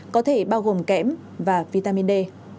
có thể bao gồm kẽm và vitamin d